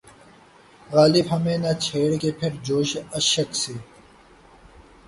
غالب ہمیں نہ چھیڑ کہ پھر جوشِ اشک سے